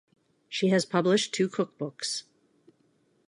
She has published two cookbooks.